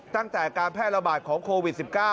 ตั้งแต่การแพร่ระบาดของโควิด๑๙